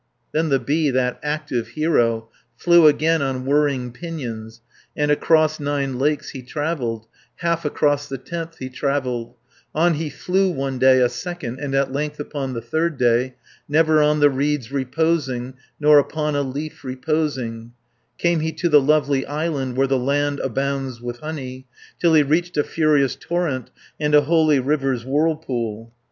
Then the bee, that active hero, Flew again on whirring pinions, And across nine lakes he travelled, Half across the tenth he travelled, 440 On he flew one day, a second, And at length upon the third day, Never on the reeds reposing, Nor upon a leaf reposing, Came he to the lovely island, Where the land abounds with honey, Till he reached a furious torrent, And a holy river's whirlpool.